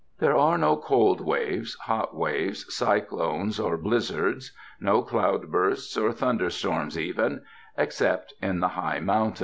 There are no cold waves, hot waves, cyclones or blizzards, no cloudbursts or thun derstorms even, except in the high mountains.